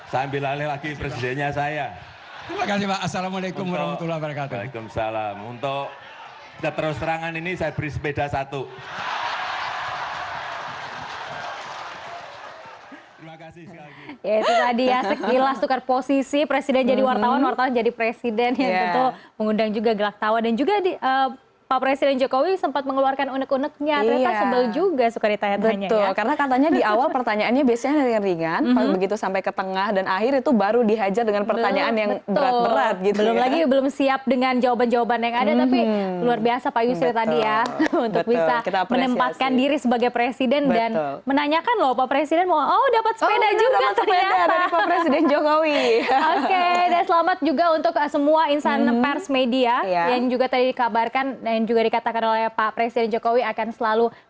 sambil lalui lagi presidennya saya